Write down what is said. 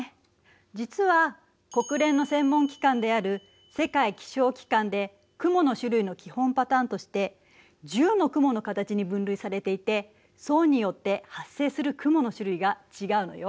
実は国連の専門機関である世界気象機関で雲の種類の基本パターンとして１０の雲の形に分類されていて層によって発生する雲の種類が違うのよ。